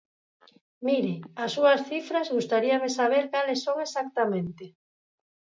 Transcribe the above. Mire, as súas cifras gustaríame saber cales son exactamente.